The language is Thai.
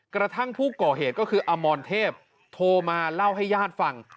กระทั่งผู้ก่อเหตุก็คืออมรเทพโทรมาเล่าให้ญาติฟัง